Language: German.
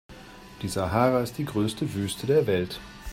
Die Sahara ist die größte Wüste der Welt.